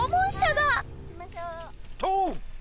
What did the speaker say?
・とう！